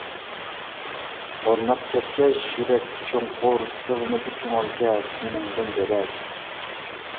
ئورناپ كەتكەچ يۈرەككە چوڭقۇر، سىغمىدى كۆڭۈلگە سېنىڭدىن بۆلەك.